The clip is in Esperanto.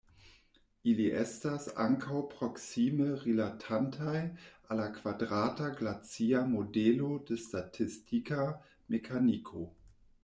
Ili estas ankaŭ proksime rilatantaj al la kvadrata glacia modelo de statistika mekaniko.